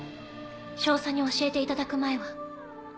少佐に教えていただく前は。